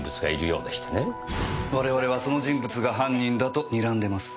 我々はその人物が犯人だと睨んでます。